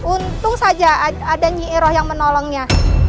untung saja ada nyiroh yang menolongnya